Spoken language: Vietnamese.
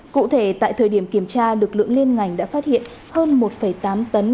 cụ thể tại thời điểm kiểm tra lực lượng liên ngành đã phát hiện hơn một tám tấn